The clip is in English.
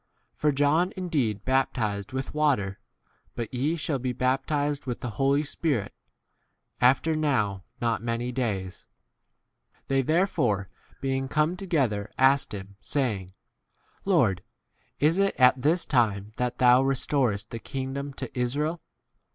For John indeed baptized with water, but ye shall be bap tized with the Holy Spirit after 6 now not many days. * They there fore, being come together, asked him, saying, Lord, is it at this time that thou restorest the king dom 1 ' to Israel